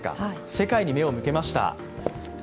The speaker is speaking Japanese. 世界に目を向けました。